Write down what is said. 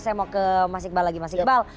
saya mau ke mas iqbal lagi mas iqbal